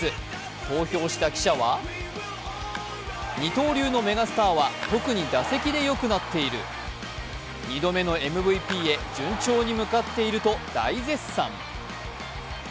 投票した記者は二刀流のメガスターは特に打席でよくなっている、二度目のＭＶＰへ順調に向かっていると大絶賛。